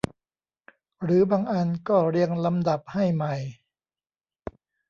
หรือบางอันก็เรียงลำดับให้ใหม่